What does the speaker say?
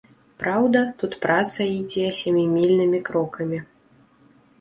Праўда, тут праца ідзе сямімільнымі крокамі.